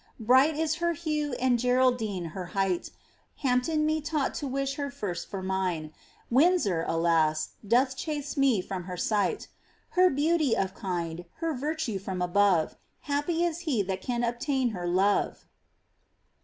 Bright is her hue and Geraidino' she hight, Hampton' me taught to wish her first for mine ; Windsor, alas ! doth chase me fVom her sight Her beauty of Jtiarf, her virtue fVom above, Happy is he that can obtain her love